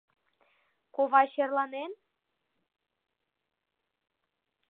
Ковай черланен?